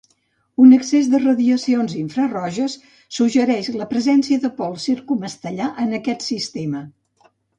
Un excés de radiacions infraroges suggereix la presència de pols circumestellar en aquest sistema.